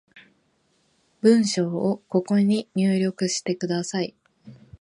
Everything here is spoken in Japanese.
文章をここに入力してください